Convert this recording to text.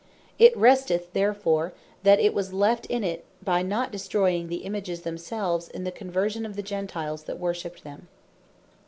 It resteth therefore, that it was left in it, by not destroying the Images themselves, in the conversion of the Gentiles that worshipped them.